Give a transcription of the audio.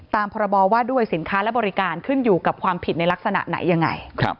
พรบว่าด้วยสินค้าและบริการขึ้นอยู่กับความผิดในลักษณะไหนยังไง